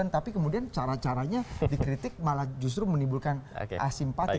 tapi kemudian cara caranya dikritik malah justru menimbulkan asimpatik